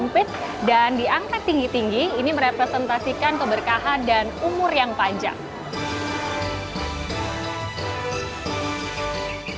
sempit dan diangkat tinggi tinggi ini merepresentasikan keberkahan dan umur yang panjang